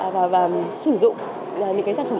và sử dụng những cái sản phẩm